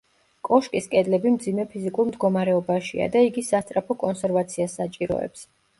კოშკის კედლები მძიმე ფიზიკურ მდგომარეობაშია და იგი სასწრაფო კონსერვაციას საჭიროებს.